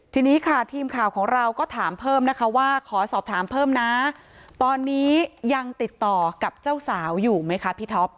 ทีนี้ค่ะทีมข่าวของเราก็ถามเพิ่มนะคะว่าขอสอบถามเพิ่มนะตอนนี้ยังติดต่อกับเจ้าสาวอยู่ไหมคะพี่ท็อป